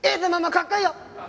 かっこいいよ！